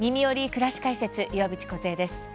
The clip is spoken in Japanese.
くらし解説」岩渕梢です。